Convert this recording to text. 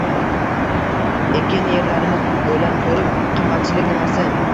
ekin yerlarimiz bo‘la turib, qimmatchilik nimasi?